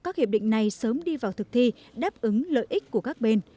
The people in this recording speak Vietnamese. các hiệp định này sớm đi vào thực thi đáp ứng lợi ích của các bên